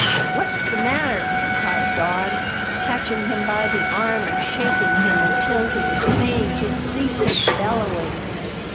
"What's the matter?" cried Don, catching him by the arm and shaking him until he was fain to cease his bellowing.